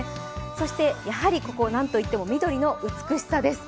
そしてやはり、なんといっても緑の美しさです。